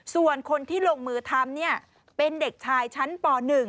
ส่วนคนที่ลงมือทำเป็นเด็กชายชั้นป๑